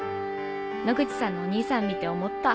野口さんのお兄さん見て思った。